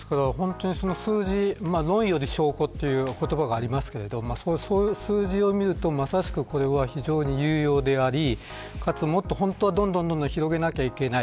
数字、論より証拠という言葉がありますがその数字を見るとまさしくこれは非常に有用でありもっとどんどん広げなきゃいけない。